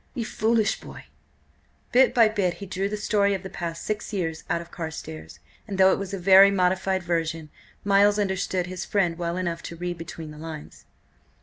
Ye foolish boy!" Bit by bit he drew the story of the past six years out of Carstares, and though it was a very modified version, Miles understood his friend well enough to read between the lines.